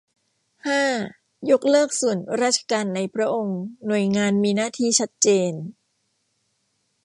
ห้า ยกเลิกส่วนราชการในพระองค์ หน่วยงานที่มีหน้าที่ชัดเจน